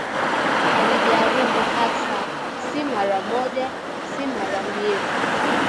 Alijaribu hasa, si mara moja, si mara mbili